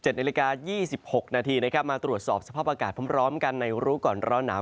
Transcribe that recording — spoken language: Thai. นาฬิกา๒๖นาทีนะครับมาตรวจสอบสภาพอากาศพร้อมกันในรู้ก่อนร้อนหนาว